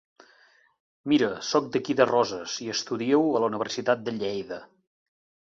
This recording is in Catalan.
Mira soc d'aquí de Roses i estudio a la Universitat de Lleida.